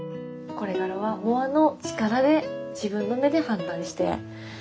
これからはもあの力で自分の目で判断して。